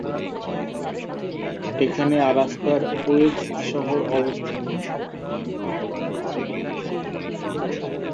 এখানে আলাস্কার ওয়েলস শহর অবস্থিত।